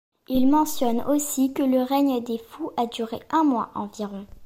Il mentionne aussi que le règne des fous a duré un mois environ.